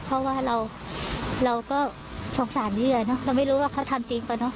เพราะว่าเราก็ของสารเหยียจนะเราไม่รู้ว่าเค้าทำจริงหรือเปล่า